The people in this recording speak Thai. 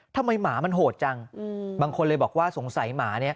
ทำไมหมามันโหดจังบางคนเลยบอกว่าสงสัยหมา